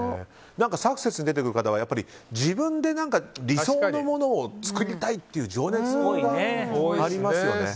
サクセスに出てくる方は自分で理想のものを作りたいという情熱がありますよね。